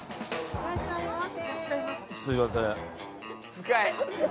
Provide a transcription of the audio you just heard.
いらっしゃいませ。